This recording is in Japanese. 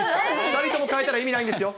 ２人とも変えたら意味ないですよ。